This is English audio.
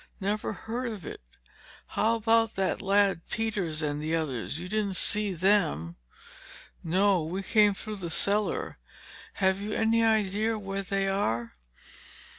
Never heard of it. How about that lad Peters and the others—you didn't see them?" "No, we came through the cellar. Have you any idea where they are?"